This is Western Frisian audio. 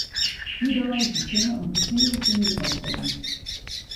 Dy dei is de sinne om kertier oer fiven opkommen.